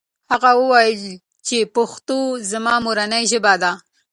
هغه وویل چې پښتو زما مورنۍ ژبه ده.